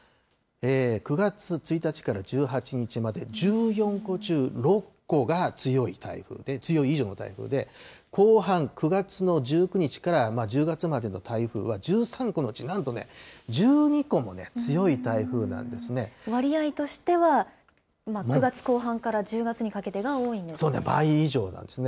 ９月１日から１８日まで、１４個中６個が強い台風で、強い台風で、後半、９月の１９日から１０月までの台風は１３個のうちなんと１２個も割合としては９月後半から１倍以上なんですね。